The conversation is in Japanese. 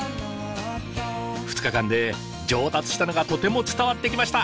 ２日間で上達したのがとても伝わってきました！